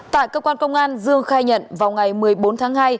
tại cơ quan công an dương khai nhận vào ngày một mươi bốn tháng hai